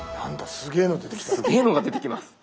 すげえのが出てきます。